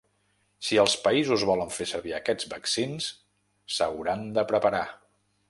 Si els països volen fer servir aquests vaccins, s’hauran de preparar.